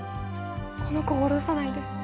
この子を堕ろさないで。